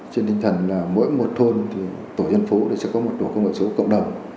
trên tinh thần là mỗi một thôn thì tổ dân phố sẽ có một tổ công nghệ số cộng đồng